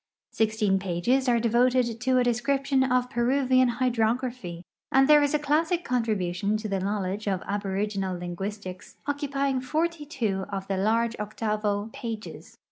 Sixteen pages are devoted to a description of Peruvian hyilrography, and there is a classic contrihntiou to the knowledge of aboriginal linguistic;s occu|tying forty two of the largo octavo pages.